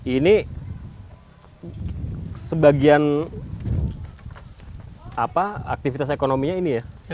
ini sebagian aktivitas ekonominya ini ya